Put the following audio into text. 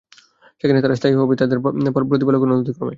সেখানে তারা স্থায়ী হবে তাদের প্রতিপালকের অনুমতিক্রমে।